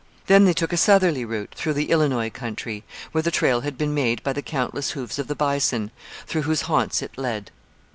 Then they took a southerly route through the Illinois country, where the trail had been made by the countless hoofs of the bison, through whose haunts it led.